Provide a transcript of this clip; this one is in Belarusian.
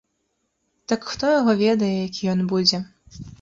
Так хто яго ведае, які ён будзе.